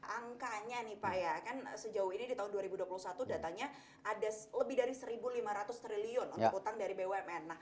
angkanya nih pak ya kan sejauh ini di tahun dua ribu dua puluh satu datanya ada lebih dari rp satu lima ratus triliun untuk utang dari bumn